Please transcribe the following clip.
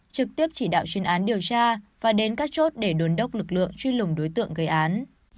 trực tiếp chỉ đạo chuyên án điều tra và đến các chốt để đồn đốc lực lượng truy lùng đối tượng gây án